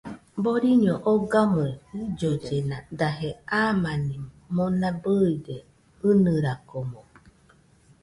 Boriño ogamɨe jillollena daje amani mona bɨide, ɨnɨrakomo